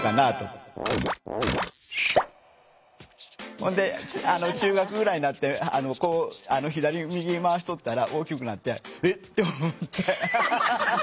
ほんで中学ぐらいになってこう左右にまわしとったら大きくなって「えっ！？」っと思って。